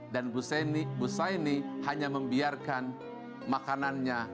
dan ibu saya ini hanya membiarkan makanannya